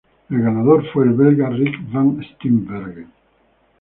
El ganador fue el belga Rik Van Steenbergen.